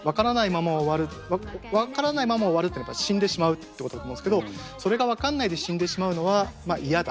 「わからないままおわる」っていうのは死んでしまうってことだと思うんですけどそれが分かんないで死んでしまうのは嫌だ。